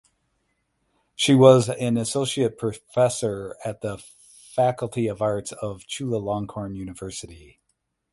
She was an associate professor at the Faculty of Arts of Chulalongkorn University.